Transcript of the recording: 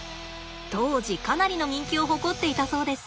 当時かなりの人気を誇っていたそうです。